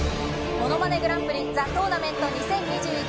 ものまねグランプリ・ザ・トーナメント２０２１。